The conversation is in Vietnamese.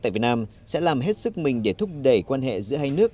tại việt nam sẽ làm hết sức mình để thúc đẩy quan hệ giữa hai nước